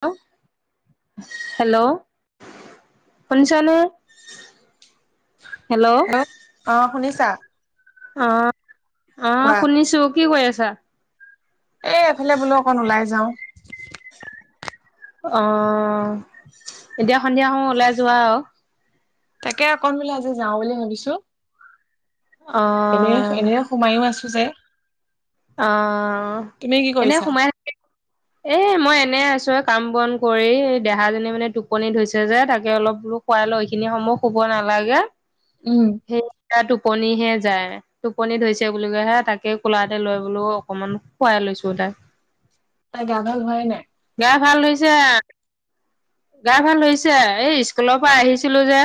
[unintelligible] Hello. শুনিছনে? Hello অ', শুনিছা? অ', অ', কোৱা শুনিছোঁ কি কৰি আছা? এই এফালে বোলোঁ অকণ ওলাই যাওঁ। অ', এতিয়া সন্ধিয়া সময় ওলাই যোৱা আৰু। তাকে অকন বোলে আজি যাওঁ বুলি ভাবিছোঁ। অ এনে এনে সোমায়ো আছোঁ যে। অ', তুমি কি এনে কৰিছা সোমাই থাকি [unintelligible] এ, মই এনে আছোঁ এ, কাম বন কৰি দেহাজনী মানে টোপনি ধৰিছে যে তাকে অলপ বোলো শুৱাই লওঁ এইখিনি সম শুব নালাগে। উম। সেইয়া টোপনিহে যায় টোপনি ধয়িছে বুলি কয় হে তাকে কোলাত তে লৈ বোলো অকমান শুৱাই লৈছো তাক। তাই গা ভাল হোৱাই নাই। গা ভাল হৈছে। গা ভাল হৈছে এই স্কুল' পা আহিছিলোঁ যে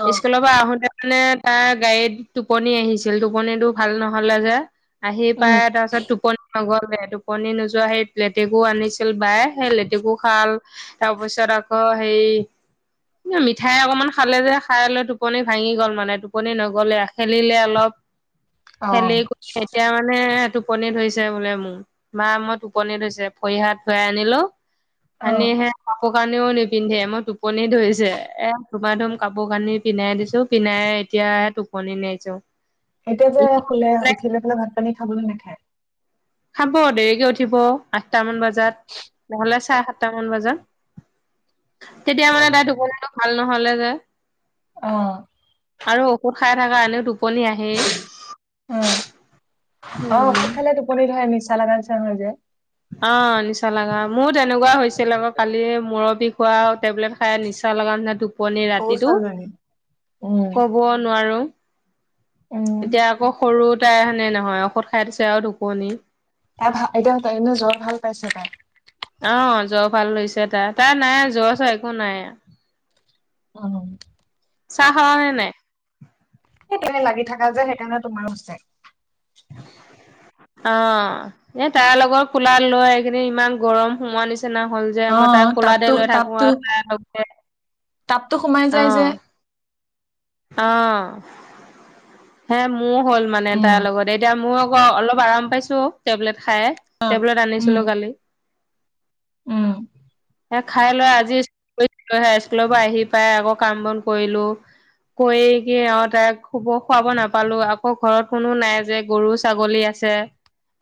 অ স্কুল' পা আহোঁতে নে তাই গাড়ীত টোপনি আহিছিল টোপনিটো ভাল নহ'লে যে আহি উম পাই তাছত টোপনি নগ'লে টোপনি নোযোৱা হেইত লেতেকু আনিছিল বায়ে সেই লেতেকু খাল তাপিছত আকৌ হেই এ, মিঠাই অকমান খালে যে খাই লৈ টোপনি ভাঙি গ'ল মানে টোপনি নগ'লে আস খেলিলে অলপ। অ খেলি কৰি এতিয়া মানে টোপনি ধৰিছে বোলে মোৰ। মা ম টোপনি ধয়িছে ভয়ি হাত ধুৱাই আনিলোঁ অ আনিহে কাপো কানিও নিপিন্ধে মই টোপনি ধয়িছে এ, ধুমা ধুম কাপো কানি পিন্ধাই দিছোঁ পিন্ধাই এতিয়া টোপনি [unintelligible] এতিয়া যে শুলে উঠিলৈ পেলাই ভাত পানী খাব নে নাখায়? খাব। দেৰিকে উঠিব আঠটা মান বাজ যাত নহ'লে চাএ সাতটা মান বজাত তেতিয়া মানে তাই টোপনিতো ভাল নহ'লে যে অ'। আৰু ঔষধ খাই থাকা এনেও টোপনি আহেই। উম, অ', ঔষধ উম। খালে টোপনি ধৰে নিছা লাগা নিচিনা হৈ যায়। অ', নিচা লাগা মোৰো তেনেকুৱা হৈছিল আকৌ কালি মূুৰ বিষ হোৱা টেবলেট খাই নিচা লাগা নিচিনা টোপনি সৰু ৰাতিটো ছোৱালীজনী উম ক'বও নোৱাৰো। উম এতিয়া আকৌ সৰু তাই হয় নে নহয় ঔষধ খাই দিছে আৰু টোপনি। তাই ভা এতিয়া তাই এনে জ্বৰ ভাল পাইছে তাই? অ', জ্বৰ ভাল হৈছে তাৰ। তাৰ নাই জ্বৰ চৰ একো নাই। উম। চাহ খালা নে নাই? এই তুমি লাগি থাকা যে সেইকাৰণে তোমাৰো হৈছে। [inaudible] অ', এ তাৰ লগৰ কোলা লৈ সেইখিনি ইমান গৰম সোমোৱা নিচিনা নিচিনা হ'ল যে অ মই তাই তাপতো কোলাতে লৈ থাকোঁ তাপতো আৰু তাৰ লগে তাপতো সোমাই যায় যে। অ', হে মোৰ হ'ল মানে উম তাৰ লগত এতিয়া মোৰ অলপ আৰাম পাইছোঁ টেবলেট খাই অ', টেবলেট উম আনিছিলো কালি। উম সেইয়া খাই লৈ আজি [unintelligible] স্কুলৰ পৰা আহি পাই আকৌ কাম বন কৰিলোঁ। কৰি কি অ', তাইক শুৱ-শুৱাব নাপালো আকৌ ঘৰত কোনো নাই যে গৰু ছাগলী আছে।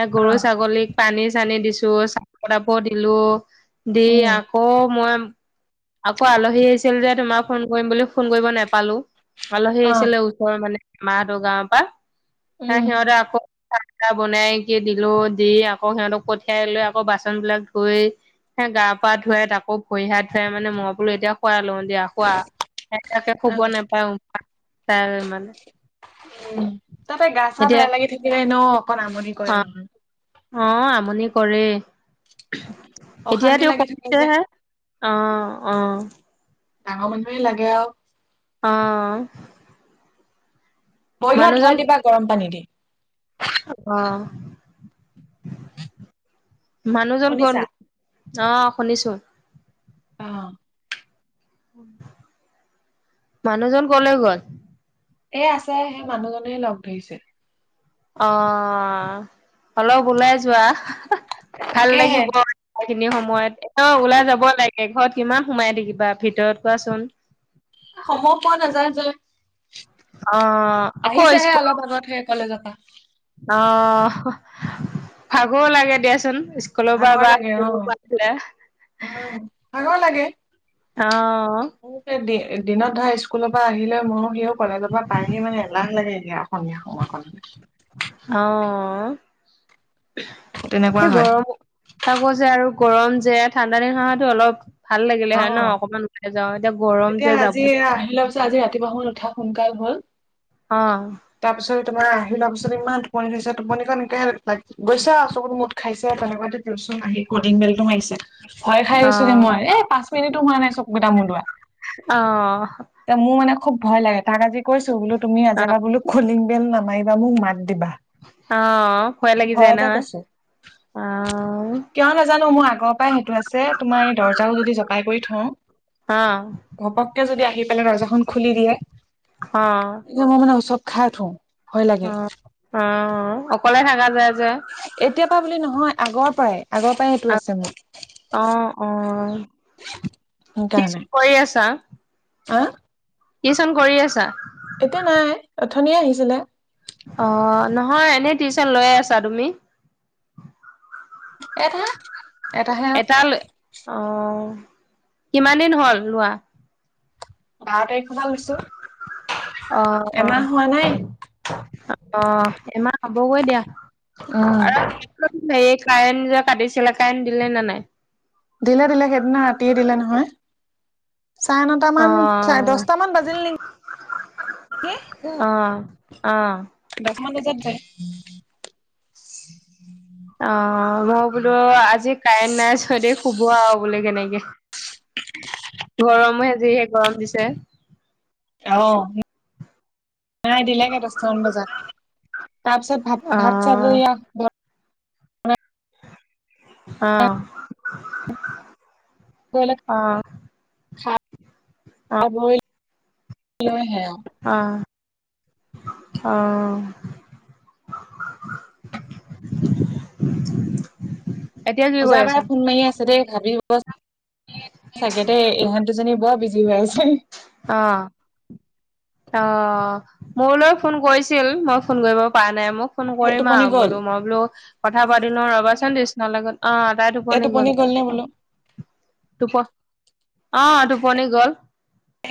এ গৰু অ', ছাগলীক পানী চানী দিছোঁ চাপৰ তাপৰ দিলোঁ। দেই উম আকৌ মই আকৌ আলহী আহিছিল যে তোমাক ফোন কৰিম বুলি ফোন কৰিব নেপালো আলহী অ', আহিছিলে। মানে মাহঁতৰ গাঁৱৰ পৰা উম স-সিহঁতে আকৌ। বনাই কি দিলোঁ দি আকৌ সিহঁতক পঠিয়াই লৈ আকৌ বাচন বিলাক ধুই। হে গা পা ধুৱাই তাকো ভৰি হাত ধুৱাই মানে মই বোলো এতিয়া শুৱাই লওঁ দিয়া। শুৱা [unintelligible] শুৱ অ', নাপায় মানে। উম, তাতে গা চা এতিয়া বেয়া লাগি থাকিলে এনেও অকন আমনি কৰে অ নহয়। অ আমনি কৰে। এতিয়া অশান্তি তেওঁ লাগি থাকে যে কমিছেহে অ, অ। ডাঙৰ মানুহেৰে লাগে আৰু। অ। ভৰি হাত মানুহজন ধুৱাই দিবা গৰম পানী দি। অ মানুহজন ক'ত শুনিছা গ অ শুনিছোঁ। অ। মানুহজন কলৈ গ'ল? এ আছে সেই মানুহজনে লগ ধৰিছিল। অ', অলপ ওলাই যোৱা ভাল তাকেহে লাগিব। এইখিনি সময়ত ওলাই যাব লাগে ঘৰত কিমান সোমাই থাকিবা ভিতৰত কোৱাচোন। সময় পোৱা নাযায় যে অ', আকৌ আহিছেহে স্কুল অলপ আগতহে কলেজৰ পৰা। অ ভাগৰ লাগে দিয়াচোন ভাগৰ লাগে অ উম [unintelligible] ভাগৰ লাগে। অ। দিনত ধৰা স্কুলৰ পৰা আহিলৈ মইও সিও কলেজৰ পৰা পাইহি মানে এলাহ লাগে তেতিয়া। অসমীয়া সময়কন। অ, তেনেকুৱা সেই হয় গৰম তাকো যে আৰু গৰম যে ঠাণ্ডা দিন [unintelligible] অলপ। ভাল লাগিলে অ হয় নহ অকমান ওলাই যাওঁ এতিয়া গৰম তেতিয়া যে যাব [unintelligible] আজি ৰাতিপুৱা সময়ত উঠা সোনকাল হ'ল অ তাৰ পিছত তোমাৰ আহি লোৱা পিছত ইমান টোপনি ধৰিছে টোপনিখন এনেকে লাগে গৈছা চকুত মুট খাইছে তেনেকুৱাতে তিউচন আহি কলিং বেলটো মাৰিছে ভয় খাই গৈছোগে অ', মই এ পাঁচ মিনিটো হোৱা নাই চকুটো মোদোৱা অ ত মোৰানে খুব ভয় লাগে তাক আজি কৈছো বোলো তুমি নাজাবা বলো খলিং বেল নামাৰিবা মোক মাত দিবা অ ভয় লাগি যায় ভয়তে নহয়। কৈছো অ', কিয় নাজানো মোৰ আগৰ পৰাই সেইটো আছে তোমাৰ এই দৰ্জাও যদি জপাই কৰি থওঁ অ ঘপককে যদি আহি পেলাই দৰ্জাখনন খুলি দিয়ে অ', এ মই মানে উচব খাই উ উঠো ভয় অ লাগে অ অকলে থাকা যায় যে এতিয়াৰ পৰাা বুলি নহয় আগৰ পৰাই আগৰ পৰাই এইটো আছে মোৰ অ অ সেইকাৰণে টিউচন কৰি আছা হা টিউচন কৰি আছা এতিয়া নাই অথনিয়ে আহিছিলে অ নহয় এনেই টিউচন লৈয়ে আছা তুমি এটা এটাহে আৰু এটা লৈ অ কিমান দিন হ'ল লোৱা বাৰ তাৰিখৰ পৰা লৈছো অ', অ', এমাহ হোৱা নাই অ এমাহ হ'বগৈ দিয়া আৰু উম হেৰি কাৰেণ্ট যে কাটিছিলে কাৰেণ্ট দিলে নে নাই দিলা দিলা সেইদিনা ৰাতিয়ে দিলে নহয় চাৰে নটামান চাৰে অ', দহটামান বাজিল নে কি অ অ দচমান বজাত যায় অ মই বোলো আজি কাৰেণ্ট নাই ছ দে শুব আৰু বোলে কেনেকে। গৰমহে যিহে গৰম দিছে অ। হো নাই দিলে গে দহতামান বজাত তাৰপিছত ভাত ভাত চাট বোৰ অ' ইআক অ অ অ' খাব লৈ সে আহ অ [unintelligible] পূজা কৰি বাইএ আছা? ফোন মাৰি আছে দেই ভাবিব বচ চাগেতে ইহঁত দুজনী বৰ বিজি হৈ আছে অ অ মোলৈ ফোন কৰিছিল মই ফোন কৰিব পৰা নাই মোক ফোন এই কৰিম টোপনি আৰু গ'ল বোলো মই বোলো কথা পাতিলৌ ৰবা চোন তিচনা লগত। অ তাই এই টোপনি গ'ল নে বোলো টোপ অঁ টোপনি গ'ল।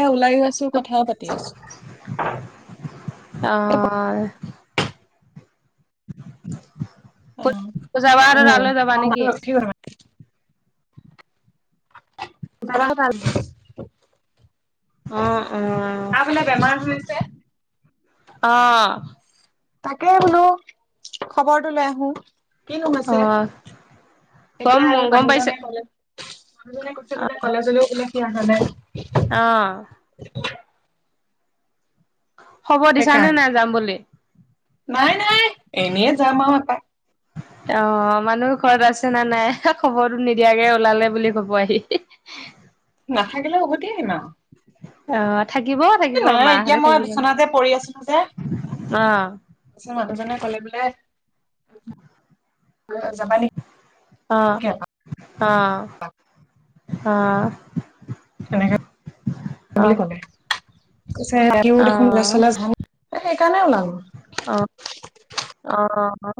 এ ওলাই ও আছে অঁহ। পূজা বা হঁতৰ উম তালৈ যাবা তাৰ নেকি? [unintelligible] তাৰ অ' অ' বোলে বেমাৰ হৈছে। অঁহ। তাকে বোলো খবৰটো লৈ আহো কিনো অ হৈছে। গম এতিয়া এই গম পাইছো মানুহজনে কলে মানুহজনে কৈছে বোলে কলেজলেও বোলে সি আহা নাই। অঁহ। [inaudible] খবৰ দিছানে সেইকাৰণে নাই যাম বুলি নাই নাই, এনেই যাম আৰু এপাক। [inaudible] অঁ মানুহ ঘৰত আছে না নাই খবৰটো নিদিয়াকে ওলালে বুলি কব আহি নাথাকিলে উভতি আহিম আৰু। অ থাকিব থাকিব নাই এতিয়া মাহঁতে মই থাকিব বিচনাতে পৰি অঁ। পাছত মানুহজনে কলে বোলে, যাবা নি আহ আহ আহ। তেনেকে বুলি ক'লে। পিছে ৰাতিও অ দেখোন [unintelligible] সেইকাৰণে ওলালো। অঁ অ অ অঁ।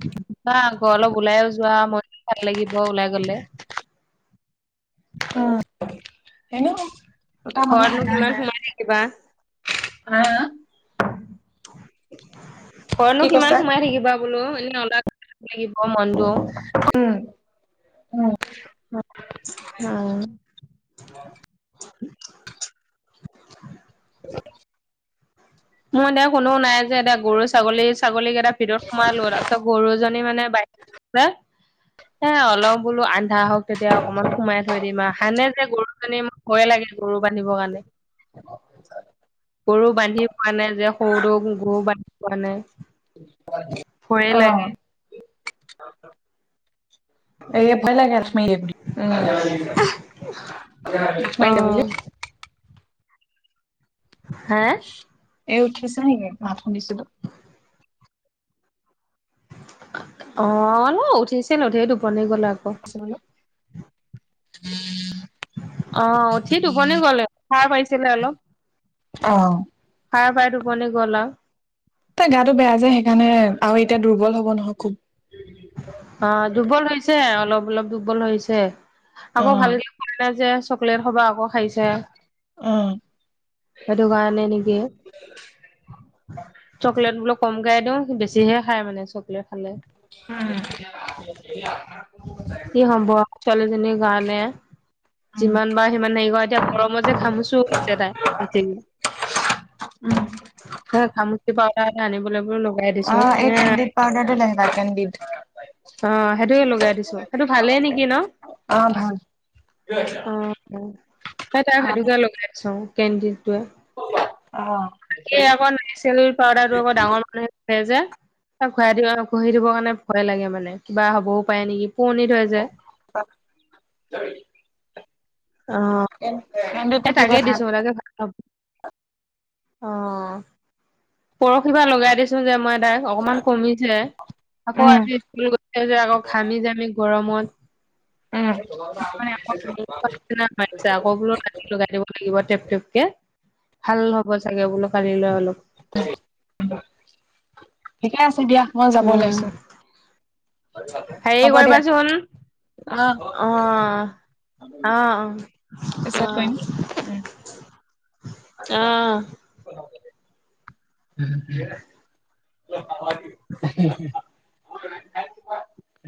যোৱা আকৌ অলপ ওলাইও যোৱা মোনটো ভাল লাগিব ওলাই গলে। অ এনেও দুটা মানুহ ঘৰতনো থাকা কিমান যায়। সোমাই থাকিবা হা হা? ঘৰতনো কি কিমান কৈছে সোমাই থাকিবা বোলো, এনে ওলাই গলে ভাল লাগিব মনটো। উম, উম। অ আঁ। [inaudible] মোৰ এতিয়া কোনো নাই যে এটিয়া গৰু ছাগলী ছাগলীক কেইটাক ভিতৰত সোমালো তাৰপিছত গৰুজনী মানে বাহি তে অলপ বোলো আন্ধাৰ হওঁক। তেতিয়া অকমান সোমাই থৈ দিম আৰু আহা নাই যে গৰুজনী। ভই লাগে গৰু বান্ধিবৰ কাৰণে, গৰু বান্ধি পোৱা নাই যে সৰুটো গৰু বান্ধি পোৱা নাই। ভয়ে আঁহ। লাগে [unintelligible] অ [unintelligible] হে? এ উঠিছে নেকি মাত শুনিছিলো? অঁ, ন' উঠিছিল উঠিয়ে টোপনি গ'ল আকৌ। [inaudible] অঁহ উঠি টোপনি গলে সাৰ পাইছিলে অলপ। অ সাৰ পাই টোপনি গ'ল আৰু। তই গাটো বেয়া যে সেইকাৰণে আৰু এতিয়া দুৰ্বল হ'ব নহয় খুব। অ', দুৰ্বল হৈছে অলপ অলপ দুৰ্বল হৈছে। অ আকৌ ভাল [unintelligible] যে চকলেট সবাহ আকৌ খাইছে। অ সেইটো কাৰণে নিগে [inaudible] চকলেট বোল কম গাই দিওঁ বেছিহে খাই মানে চকলেট খালে। উম [unintelligible] ই সম্ভৱ, ছোৱালীজনীৰ কাৰণে উম যিমানবাৰ সিমান হেৰি কৰা এতিয়া গৰমত যে ঘামুচো হৈছে তাই [unintelligible] উম হে ঘামোচি পাউডাৰ এটা আনিব লাগিব। বোৰ লগাই অ দিছো এই হে, কেণ্ডিড পাউদাৰটো লাগিবা কেণ্ডিড অ' সেইটোকে লগাই দিছো। সেইটো ভালেই নেকি ন'? অ ভাল অ, অ, অ তাক ভাল সেইটোকে লগাইছ অ [unintelligible] আকৌ [unintelligible] পাউডাৰটো আকৌ ডাঙৰ মানুহে [unintelligible] যে। এ ঘূৰাই দিব ঘহি দিবৰ কাৰণে ভয় লাগে মানে কিবা হবও পাৰে নেকি পুৰণি থৈ [unintelligible] অ', এ কাৰেণ্টতো দিব তাকে ধান দিছো [unintelligible] অ', পৰশিবা লগাই দিছো যে মই তাক অকমান কমিছে আকৌ উম আজি স্কুল গৈছে যে আকৌ ঘামি - জামি দমত উম [unintelligible] আকৌ বোলো [unintelligible] লগাই দিব লাগিব টেপ টেপকে, ভাল হ'ব চাগে বোলো কালি লৈ অলপ। [unintelligible] ঠিকে আছে দিয়া, মই যাব উম ওলাইছো, হেৰি হ'ব দিয়া। কৰিবাচোন অহ, অ অ পিছত কৰিম। উম অহ। [unintelligible]